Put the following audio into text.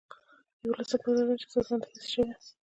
یوولسمه پوښتنه دا ده چې سازماندهي څه شی ده.